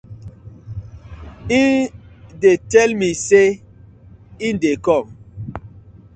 Him dey tey mi say im dey kom.